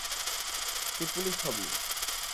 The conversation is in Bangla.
তুই পুলিশ হবি।